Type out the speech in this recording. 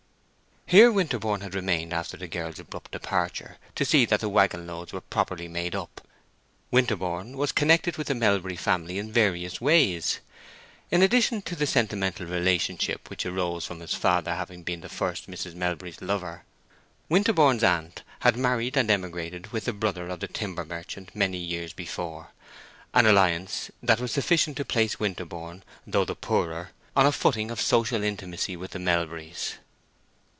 Here Winterborne had remained after the girl's abrupt departure, to see that the wagon loads were properly made up. Winterborne was connected with the Melbury family in various ways. In addition to the sentimental relationship which arose from his father having been the first Mrs. Melbury's lover, Winterborne's aunt had married and emigrated with the brother of the timber merchant many years before—an alliance that was sufficient to place Winterborne, though the poorer, on a footing of social intimacy with the Melburys.